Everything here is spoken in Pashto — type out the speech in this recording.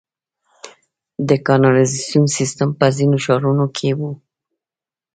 د کانالیزاسیون سیستم په ځینو ښارونو کې و